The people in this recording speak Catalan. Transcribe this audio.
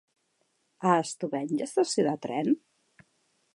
A Estubeny hi ha estació de tren?